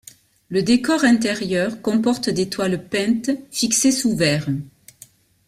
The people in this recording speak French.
Le décor intérieur comporte des toiles peintes fixées sous verre.